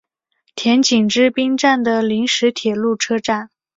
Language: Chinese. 田井之滨站的临时铁路车站。